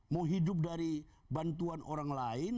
mau hidup dari bantuan orang lain